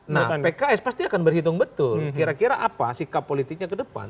nah pks pasti akan berhitung betul kira kira apa sikap politiknya ke depan